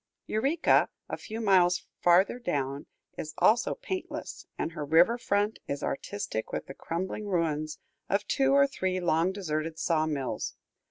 Eureka, a few miles farther down, is also paintless, and her river front is artistic with the crumbling ruins of two or three long deserted saw mills.